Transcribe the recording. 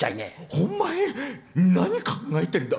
お前、何考えてんだ？